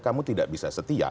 kamu tidak bisa setia